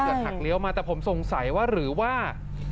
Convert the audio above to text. หักเลี้ยวมาแต่ผมสงสัยว่าหรือว่า